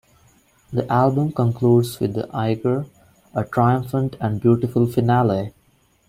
The album concludes with "The Eiger", a triumphant and beautiful finale.